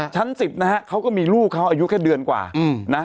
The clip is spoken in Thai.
ชั้น๑๐นะฮะเขาก็มีลูกเขาอายุแค่เดือนกว่านะ